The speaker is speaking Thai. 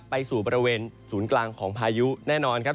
ไปสู่บริเวณศูนย์กลางของพายุแน่นอนครับ